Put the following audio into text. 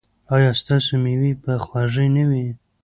ایا ستاسو میوې به خوږې نه وي؟